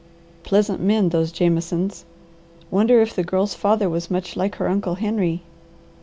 Pleasant men those Jamesons! Wonder if the Girl's father was much like her Uncle Henry?